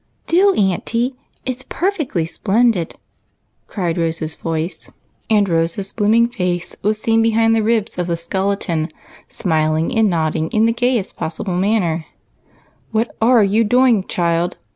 "Do, auntie; it's perfectly splendid," cried Rose's voice, and Rose's blooming face was seen behind the ribs of the skeleton, smiling and nodding in the gayest 130ssible manner. "What are you doing, child?"